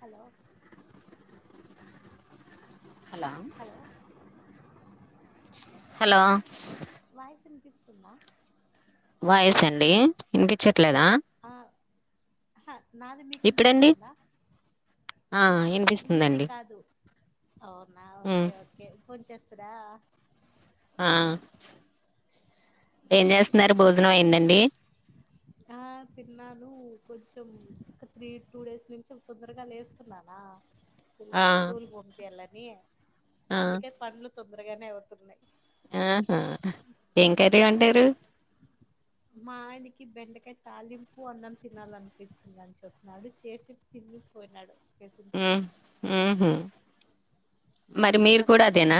Hello hello hello voice వినిపిస్తుందా? Voice అండి ఇనిపిచ్చట్లేదా? హా నాది మీకు ఇప్పుడండి ఇనిపిస్తాందా? ఆ మీది వినిపిస్తుందండి కాదు అవునా ఓకే ఉమ్ ఓకే ఫోన్ చేస్తిరా ఆ ఏం చేస్తున్నారు భోజనం అయిందండి. ఆ తిన్నాను కొంచెం ఒక త్రీ టూ డేస్ నుంచి తొందరగా లేస్తున్నానా? ఆ పిల్లలును స్కూల్ కి పంపియాలని ఆ అందుకే పన్లు తొందరగానే అవుతున్నాయి ఆహా ఏం కర్రీ వండారు మా ఆయనకి బెండకాయ తాలింపు అన్నం తినాలనిపించిందిని చెప్పన్నాడు చేసి తిన్ పోయినాడు హూ చేసింటే హమ్ మరి మీరు తను కూడా అదేనా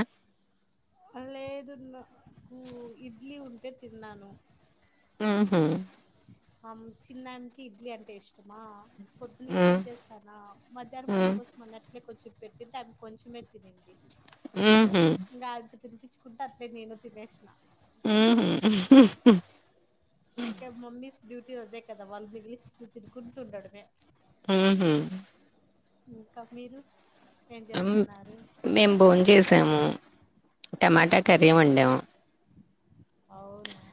లేదు నాకూ ఇడ్లీ ఉంటే తిన్నాను ఉహూ ఆ చిన్నఆయనకి ఇడ్లీ అంటే ఇష్టమా పొద్దున ఇడ్లీ ఉమ్ చేస్తానా మధ్యాహ్నం ఆమె ఉమ్ కోసం అ అట్లే కొంచం పెట్టి ఆమె కొంచెమే తినింది ఆ హ తినిపించుకుం అట్లే నేను తినేసిన హ హమ్ ఇంక మమ్మీస్ డ్యూటీ అదే కదా వాళ్ళు మిగిలిచి తినుకుంటు ఉండడమే ఊహ ఇంకా మీరు ఏం ఆ చేస్తున్నారు మేము భోన్ చేసాము టమాటా కర్రి అవునా వండం అవునా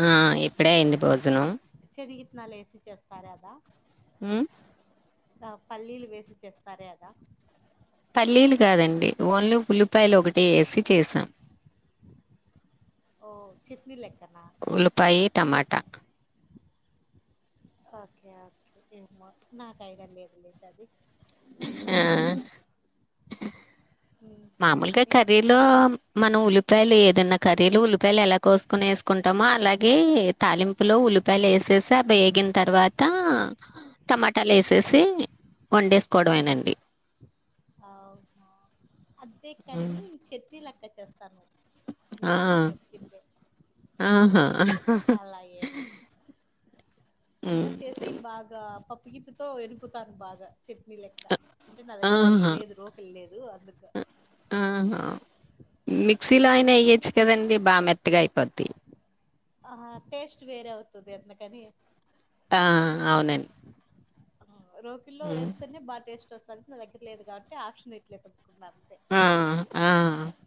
ఆ ఇప్పుడే అయంది భోజనం పుట్నాల్ ఏసి చేస్తారు అదా ఉం ఆ పల్లీలు వేసి చేస్తారే అదా పల్లీలు కాదండి ఓన్లీ ఉల్లిపాయలు ఒకటే వేసి చేసాం ఓ చట్నీల లెక్క ఉల్లిపాయి టమాటా ఓకే ఓకే ఏమో నాకు ఐడియా లేదు లేండి అది ఆ ఇంకా మామూలుగా ఏం కర్రీలో చేస్తా మనం ఉల్లి ఉల్లిపాయలు ఏదైన్నా కర్రీలు ఉల్లిపాయలు ఎలా కోసుకుని వేసుకుంటామో అలాగే తాలింపులో ఉల్లిపాయలు వేసి చేస బేగిన తర్వాత టమాటాలు వేసేసి వన్ డేస్కోవడమేనండి అవునా అదే హ్మ్. కర్రీని చట్నీ లెక్క చేస్తాను నేను ఆ మీరిప్పుడు చెప్పిందే ఆహా అలా ఏమ్ హ్మ్ అంతా చేసి బాగా ప గిత్తితో ఎనుపుతాను బాగా చట్నీ లెక్క అంటే నా దగ్గ దగ్గర ఇది ఆహా లేదు రోకలి లేదు అందుకే మిక్సి లో అయిన ఎయ్యొచ్చు కదండీ బాగ మెత్తగా అయిపోద్ది ఆ టేస్ట్ వేరే అవుతుది అందుకని ఆ అవునండి రోకల్లో హ్మ్ వేస్తేనే బాగా టేస్ట్ వస్తది నా దగ్గర లేదు కాబట్టి ఆప్షన్ ఇట్లే ఎ తప్పుకున్నాను [unintelligible] ఆ ఆ ఆ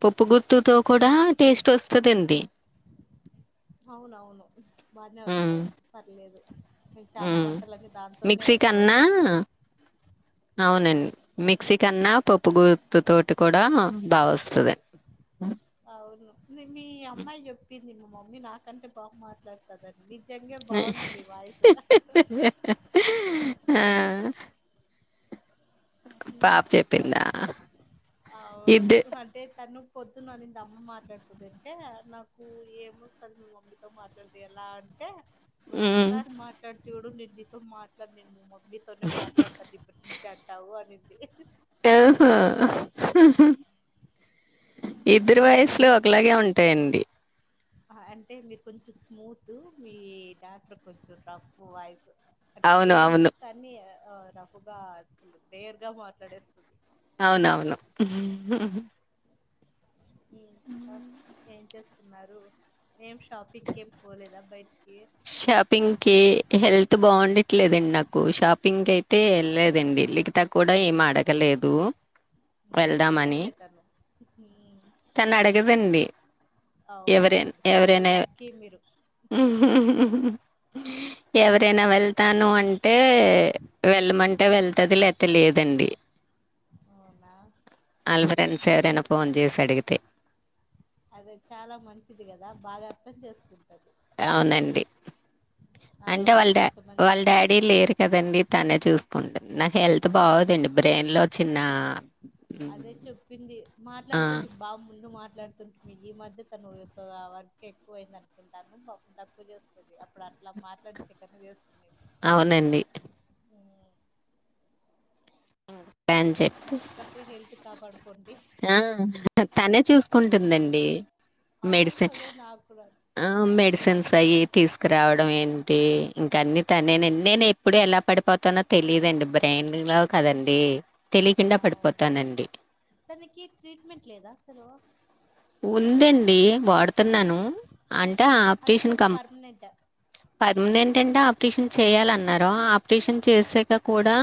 పప్పు గుత్తుతో కూడా టేస్ట్ వస్తదండి అవునవును బాగానే ఉమ్ వస్తాయి పర్లేదు మేము చానా ఉమ్ వంటలకి దాంతోనే మిక్సీ కవర్ కన్నా చేస్తాం [inaudible] అవునండి మిక్సీ కన్నా పప్పు గుత్తు తోటి కూడా బాగా వస్తుంది అవును మీ అమ్మాయి చెప్పింది మా మమ్మీ నాకంటే బాగా మాట్లాడుతదని నిజంగా బాగుంది మీ వాయిసు ఆ ఉమ్, పాప ఆ, చెప్పిందా ఇద్ద అవును అంటే తను పొద్దునను ఇంత అమ్మ మాట్లాడుతుంది అంటే నాకు ఏం వస్తుంది మీ మమ్మీతో మాట్లాడుతే ఎలా అంటే నువ్వు ఉమ్ ఒకసారి మాట్లాడుచూడు నేను నీతో మాట్లాడి నేను మీతోనే మాట్లాడతంది ఇప్పటి నుంచి అంటావు అనింది ఆహా ఇద్దరు వయిసులో ఇంకా ఒకలాగే ఉంటాయండి అంటే మీరు కొంచెం స్మూత్ మీ దాంట్లో కొంచెం రఫ్ వాయిస్ అ అవును సేము అవును కానీ ఆ రహుగా అసలు బేర్ గా మాట్లాడేస్త అవునవును ఇంకా ఏం చేస్తున్నారు ఏం షాపింగ్కే పోలేదా బయట షాపింగ్ కి హెల్త్ బాగుండట్లేదండి నాకు షాపింగ్ అయితే వెళ్లేదండి వెళ్లికిత కూడా ఏం అడగలేదు ఉమ్, వెళ్దామని అడగదులే తను తను అడగదండి అవున ఎవరైనా అవును చాలా ఎవరైనా లక్కీ మీరు ఎవరైనా వెళ్తాను అంటే అంటే వెళ్ళమంటే ఉమ్, వెళ్తది లేతే లేదండి అవునా అల్ చ- ఫ్రెండ్స్ఎవరన్న ఫోన్ చేసి అడిగితే అదే చాలా మంచిది కదా బాగా అర్థం చేసుకు అవునండి అలా అంటే ఉండేది వాళ్ళ డా కొంతమంది వాళ్ళ డాడీ లేరు కదండి తనే చూసుకుంటంది నాకు హెల్త్ బాగు అదండి బ్రెయిన్ లో చిన్న హ్మ్. అదే చెప్పింది ఆ మాట్లాడుతుంటే బా ముందు మాట్లా మాట్లాడుతుంటుంది ఈ మధ్య తను ఆ వర్క్ ఎక్కువ అయింది అనుకుంటాను తక్కువ చేస్తుంది అప్పుడు అట్లా మాట్లాడించే కన్నా చేస్తుండ అవునండి స్పాన్ చెప్పుి కాపాడుకొను ఆ తనే చూసుకుంటుందండి అవును మెడిసిన్ అదే నాకు కూడా ఆ మెడిసిన్స్ అయి ఆశ్చర్యం తీసుకురావడం ఏంటి ఇంకా అన్నీ తనే నేను ఎప్పుడ ఎలా పడి ప పోతానో తెలియదండి బ్రెయిన్ లో కదండి తెలియకుండా అవును పడిపోతానండి తనకి ట్రీట్మెంట్ లేదా ఆసెలు ఉందండి వాడుతున్నాను అంటే అట్లా ఆపరేషన్ కాదు కం పర్మనెంట్ పర్మినెంట్ ఏంటంటే ఆపరేషన్ చేయాలన్నారు ఆపరేషన్ చేసాక కూడా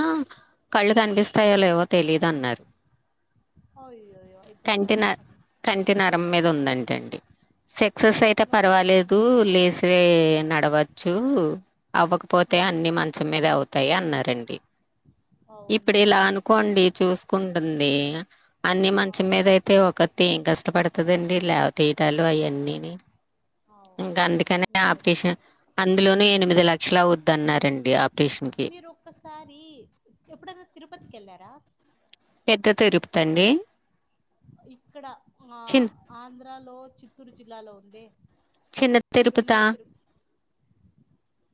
కళ్ళు కనిపిస్తాయో లేవో తెలీదు అన్నారు అయ్యయ్యో అయితే కష్టమే టి నరం మీద ఉందంట అండి సక్సెస్ అయితే అట్లా కూడా పర్వాలేదు ఉంటుంది లేసే నడవచ్చు అవ్వకపోతే ఆ, తే అన్ని మంచం మీద అవుతాయి అన్నారండి ఇప్పుడు అవునా ఇలా అనుకోండి చూసుకుంటుంది అన్ని మంచ మీద అవును అయితే ఒకతే ఏం కష్టపడుతుదండి లేవతీయటాలు అయాన్నీనీ అవు ఇంకా అందుకనే ఆపరేషన్ అందులోనూ ఎనిమిది లక్షలు అవుద్దాన్నరండి ఆపరేషన్ కి మీరు ఒక్కసారి ఎప్పుడన్న తిరుపతికి వెళ్ళారా? పెద్ద తిరుపుతండి. ఇక్కడ ఆ ఆంధ్రాలో చిత్తూరు జిల్లాలో ఉందే చిన్న తిరుపతా తిరుమల తిరుప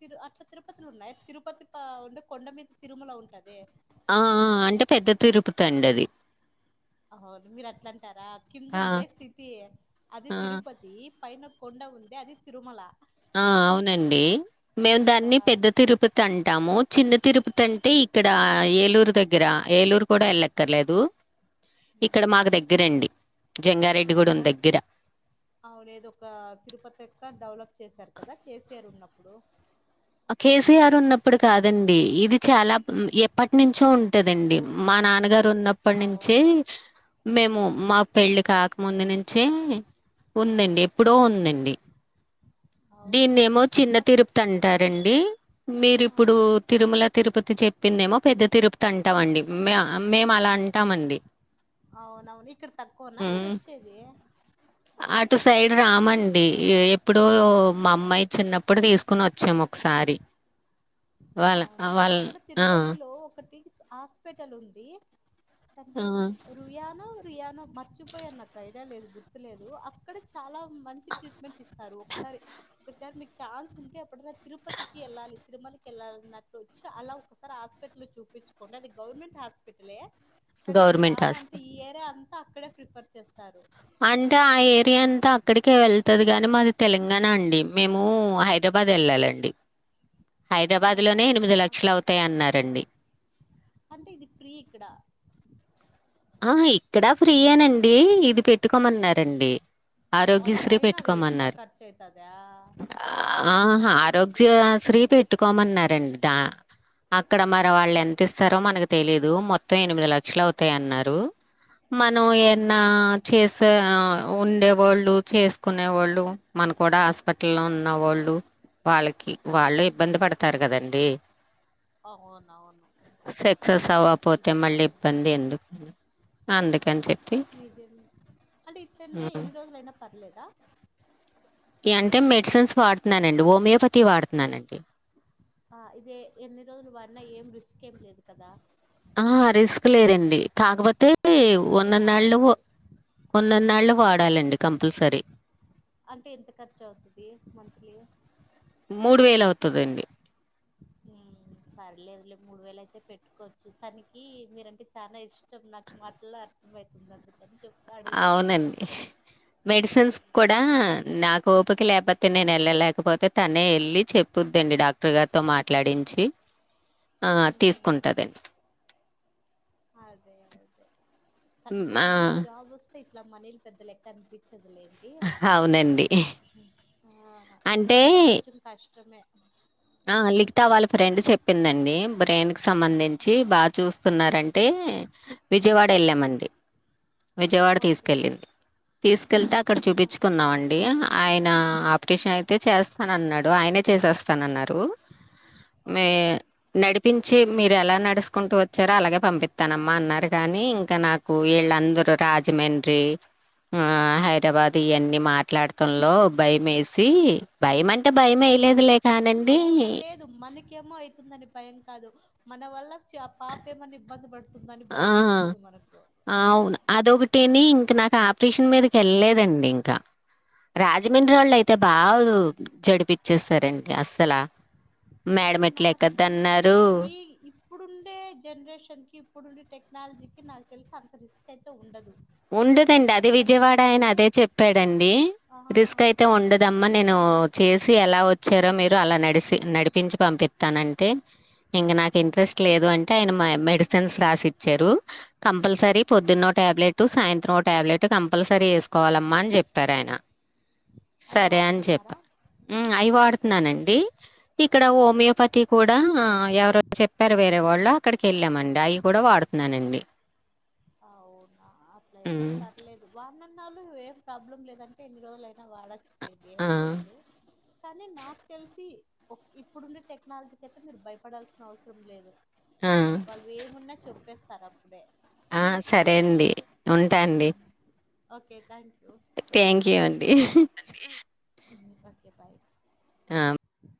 తిరు అట్ల తిరుపతి తిరుపతిలు ఉన్నాయి తిరుపతి ఆ ఉండే కొండ మీద తిరుమల ఉంటదే ఆ అంటే పెద్ద తిరుపుతండి అది అవును మీరు అట్ల అంటారా కింద ఆ ఉంటే సిటీయే అది ఆ తిరుపతి పైన కొండ ఉందే అది తిరుమల ఆ అవునండి మేము ఆ దాన్ని పెద్ద తిరుపతి అంటాము. చిన్న తిరుపతి అంటే ఇక్కడ ఏలూరు దగ్గర ఏలూరు కూడా వెళ్ళక్కర్లేదు. ఉమ్, ఇక్కడ మాకు దగ్గరండి. జంగారెడ్డిగూడెం అవును దగ్గర అవును ఏదొ ఒక తిరుపతి ఏ సకర్ డెవలప్ చేశారు కదా కేసీఆర్ ఉన్నప్పుడు కేసీఆర్ ఉన్నప్పుడు కాదండి ఇది చాలా ఆ ఎప్పటి నుంచో ఉంటదండి మా ఓల్డ్దా నాన్నగారు ఉన్నప్పటి నుంచే అవును మేము మా పెళ్లి ఓకే కాకముందు నుంచే ఉందండి ఓ ఎప్పుడో ఉందండి. అవునా దీన్నేమో చిన్న అక్ తిరుప్తి అంటారండి మీరి ఆ ఇప్పుడు తిరుమల తిరుపతి చెప్పిందేమో పెద్ద తిరుపతి అంటామండి మా ఆ మేము అలా అంటామండి. అవునవును ఇక్కడ తక్కువన్నా మీరు హ్మ్ వచ్చేది. అటు సైడ్ రామండి ఎప్పుడో మా అమ్మాయి చిన్నప్పుడు తీసుకొని వచ్చాము ఒకసారి వాళ్ళ అవునా వాళ్ళ అక్కడ ఆ తిరుపతిలో ఒకటి హాస్పిటల్ ఉంది. తన ఆ పేరు రుయనా పియానో మర్చిపోయా నాకు ఐడియా లేదు గుర్తులేదు అక్కడ చాలా మంచి ట్రీట్మెంట్ ఇస్తారు ఒకసారి సారి ఒకసారి మీకు ఛాన్స్ ఉంటే ఎప్పుడునా తిరుపతికి వెళ్ళాలి తిరుమలకి కేళ్ళాలన్నట్లు వచ్చి అలా ఒకసారి హాస్పిటల్ చూపించుకోండి అది గవర్నమెంట్ హాస్పిటలే కానీ గవర్నమెంట్ చాలా అంటే హాస్పిటల్ ఈ ఏరియా అంతా అక్కడే ప్రిఫర్ చేస్తారు అంటే ఆ ఏరియా అంతా అక్కడికే వెళ్తది గాని మాది తెలంగాణ అండి మేము హైదరాబాద్ బది వెళ్లాలండి హైదరాబాద్ లోనే ఎనిమిది అవునా లక్షలు అవుతాయి అన్నారండి. అంటే ఇది ఫ్రీ ఇక్కడ ఆహా ఇక్కడా ఫ్రియేనండి ఇది పెట్టుకోమన్నారండి. అది ఆరోగ్యశ్రీ అయినా అది ఎక్స్ట్రా పెట్టుకోమన్నారు ఖర్చు అయితదా ఆహా ఓకే ఆరోగ్య ఫ్రీ ఓకే పెట్టుకోమన్నారండి దా అక్కడ మరి వాళ్ళు ఎంత ఇస్తారో మనకు తెలిదు మొత్తం ఎనిమిది లక్షలు అవుతాయి అన్నారు. టు మనం ఎన్న అవునా చేస ఆ ఉండే వాళ్ళు చేసుకునే వాళ్ళు మన కూడా హాస్పిటల్ లో ఉన్నవాళ్ళు వాళ్ళకి వాళ్ళే ఉమ్, ఇబ్బంది పడతారు కదండి. అవునవును సక్సెస్ అవ్వపోతే మళ్ళీ నిజమేలేండి ఇబ్బంది ఎందుకు? అందుకేనీ నిజమే అంటే ఇట్లున్నా హ్మ్. ఎన్ని రోజులైనా పర్లేదా. ఇ అంటే మెడిసిన్స్ వాడుతున్నానండి ఓమియోపతి వాడుతున్నానండి. ఆ ఇదే ఎన్ని రోజులు వాడిన ఏం రిస్క్ ఏమి లేదు కదా. ఆ రిస్క్ లేదండి కాకపో. అతే ఓ అయితే ఉన్న నాళ్ళు, ఓ ఆడొచ్చు ఒన్న నాళ్ళు, వాడు. అంటే ఎంత ఖర్చు అవుతుంది, మంత్లీ. మూడు వేల అవుతదండి. ఉ సర్లేదు లే మూడు వేల అయితే పెట్టుకోవచ్చు, తనికీ మీరంటే చాలా ఇష్టం, నాకు మాట్లా. అర్థం అవుతుంది అందుకని చెప్. అవునండి, మెడిసిన్స్ కూడా నా. ఓపిక లేకపోతే నేను వెళ్ళలేకపోతే తనే ఎళ్ళి, చెప్పుద్దండి డాక్టర్ గారితో మాట్లాడించి. ఆ ఉమ్ తీసుకుంటదండి. అదే అదే హ్మ్. తనకు ఒక ఆ! మంచి జాబ్ ఓస్తే ఇట్లా మనీలు పెద్ద లెక్క అనిపించి. వొదిలేంది ఆ అవునండి. ఆ అంటే ఇప్పుడంటే కొంచెం కష్టమే. ఆ లిఖత వాళ్ళ ఫ్రెండ్ చెప్పిందండి, బ్రెయిన్ కి సంబంధించి, బాగా చూస్తున్నారని. అంటే ఏ విజయవాడ ఏళ్ళామండి. విజయవాడ ఓకే తీసుకెళ్ళింది, తీసుకెళ్తే అక్కడ చూపించుకున్నామండి ఆయన. ఆప్రిషన్ నైతే చేస్తానన్నాడు ఆయనే చేసేస్తానన్నారూ. మే నడిప్. ప్పించి మీరు ఎలా నడుసుకుంటూ వొచ్చార అలాగే పంపిత్తనమ్మా అన్నారు గానీ, ఇంకా నాకు వీళ్ళంద. ట్రూ ట్ర ఆ జమండ్రి. మా హైదరాబాద్ ఇయన్నీ మాట్లాడతంలో, భయమేసీ, భయం అంటే భయే. ఇ లేదు లే ఖానాన్. అవు హ లేదు మనకేమో అవుతుందని భయం కాదు మన వల్ల. చ్య ఆ పాప ఏమన్నా ఇబ్బంది పడుతుందని భయం ఆ! మేస్తుంది మనకు ఆ. క్రిషిన్ మీదకి కెళ్లేదండి ఇంకా రాజమండ్రి అవునా వాళ్ళ అయితే బాగు చెడి. ఇప్పచ్చేసారండి అస్సలా, మేడ మెట్లు నాకు తెలిసి ఎక్కదన్నారూ. ఈ ఇప్పుడుండే జనరేషన్కి, ఇప్పుడుండే టెక్నాలజీకి, నాకు తెలిసి అంత రిస్క్ అయితే ఉండదు. ఉండదండి దాని అది తగ్గట్టు విజయవాడ అయన ఉంటది అదే చెప్పాడండీ. ఆ రిస్క్ అయితే ఉండదమ్మా నేను ఊ చేసి ఎలా వొచ్చారో మీర్. రు అలా నడిసి నడిపించి పంపిత్తనంటే. ఇంగ నాకు ఇంట్రెస్ట్ లేదు అంటే ఆయన మయి మెడిసిన్స్ రాసిచ్చారు హ. కంపల్సరీ పొద్దున్నో ట్యాబ్లె. టు సాయంత్రం ఓ టాబ్లెటు కంపల్సరీ ఏసుకోవాలమ్మా అని జెప్పారు ఆయన. అది వాడుతున్నారా. ఉమ్ అయి వాడుతున్నానండి. ఇక్కడ ఓమియోపతి కూడా ఎవరు చెప్పారు వేరే వాళ్. అక్కడికి ఏళ్ళామండి అయి కూడా వాడుతున్నానండి. అవునా అట్లయితే హ్మ్. పర్లేదు వాన. ఇన్నాళ్లు ఏం ప్రాబ్లం లేదంటే ఎన్ని రోజులుయినా వాడచ్చు. నీకేం ఆ! అవదు కని నాకు న తెల్సి. ఇప్పుడుండే టెక్నాలజీకి అయితే మీరు భయపడాల్సిన అవసరం లేదు. ఆ! వాళ్ళు వెమున్నా చోప్పేస్తారు అప్పుడే. ఆ సరే అండి ఉంటాండి. ఓకే థంక్ థ్యాంక్ యూ అండి ఓకే బాయ్ ఆ